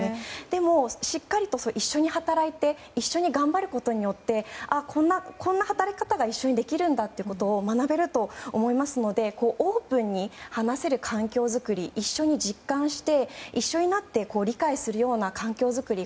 でも、しっかりと一緒に働いて一緒に頑張ることによってこんな働き方が一緒にできるんだということを学べると思いますのでオープンに話せる環境作り一緒に実感して、一緒になって理解するような環境作り。